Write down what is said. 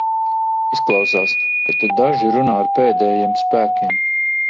Izklausās, ka te daži runā ar pēdējiem spēkiem.